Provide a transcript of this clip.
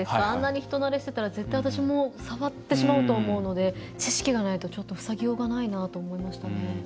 あんなに人なれしてたら絶対私も触ってしまうと思うので知識がないと、ちょっと防ぎようがないなと思いましたね。